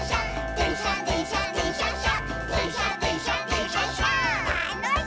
「でんしゃでんしゃでんしゃっしゃ」